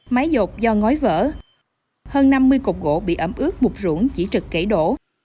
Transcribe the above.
máy dột do ngói vỡ hơn năm mươi cục gỗ bị ấm ướt mục rũng chỉ trực kể đổ